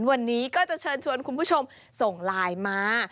วันนี้ก็จะเชิญชวนคุณผู้ชมส่งไลน์มา